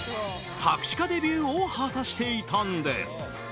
作詞家デビューを果たしていたんです。